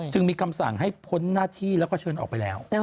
จึงมีคำสั่งให้พ้นหน้าที่แล้วก็เชิญออกไปแล้ว